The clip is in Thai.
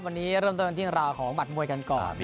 วันนี้เริ่มต้นกันที่ราวของบัตรมวยกันก่อนนะครับอ่า